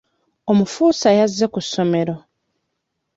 Omufuusa yazze ku ssomero.